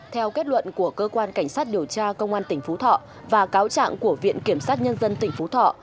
theo kết luận của cơ quan cảnh sát điều tra công an tỉnh phú thọ và cáo trạng của viện kiểm sát nhân dân tỉnh phú thọ